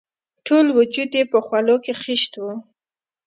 ټول وجود یې په خولو کې خیشت وو.